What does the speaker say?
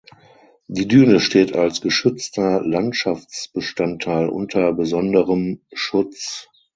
Die Düne steht als geschützter Landschaftsbestandteil unter besonderem Schutz.